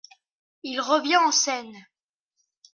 Il revient en scène.